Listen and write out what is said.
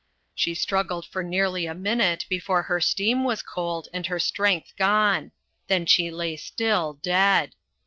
She struggled for nearly a minute before her steam was cold and her strength gone. Then she lay still, dead.